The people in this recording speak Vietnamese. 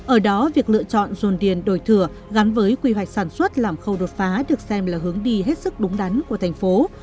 ở đó việc lựa chọn dồn điền đổi thừa gắn với quy hoạch sản xuất làm khâu đột phá được xem là hướng đi hết sức đúng đắn của thành phố